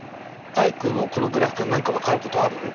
アイクもこのグラフから何か分かることある？